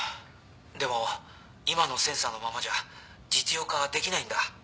でも今のセンサーのままじゃ実用化はできないんだ。